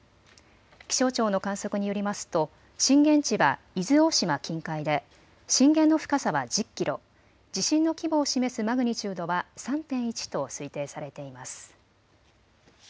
気象庁の観測によりますと震源地は伊豆大島近海で震源の深さは１０キロ、地震の規模を示すマグニチュードは３．１と推定されています。